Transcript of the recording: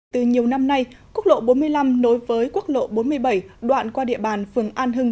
từ nhiều năm nay quốc lộ bốn mươi năm nối với quốc lộ bốn mươi bảy đoạn qua địa bàn phường an hưng